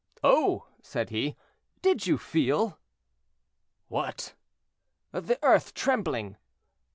"Oh!" said he, "did you feel?" "What?" "The earth trembling."